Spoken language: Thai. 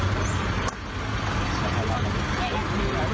แปลว่าบะยลศู